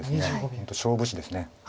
本当勝負師です。